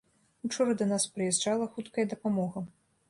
Учора да нас прыязджала хуткая дапамога.